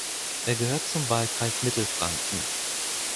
Er gehört zum Wahlkreis Mittelfranken.